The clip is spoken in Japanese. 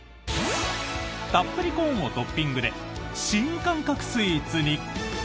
たっぷりコーンをトッピングで新感覚スイーツに！